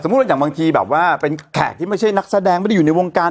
อย่างบางทีแบบว่าเป็นแขกที่ไม่ใช่นักแสดงไม่ได้อยู่ในวงการ